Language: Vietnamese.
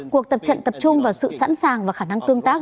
cuộc tập trận tập trung vào sự sẵn sàng và khả năng tương tác